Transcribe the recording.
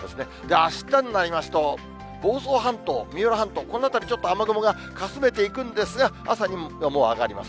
あしたになりますと、房総半島、三浦半島、この辺りちょっと雨雲がかすめていくんですが、朝にはもう上がります。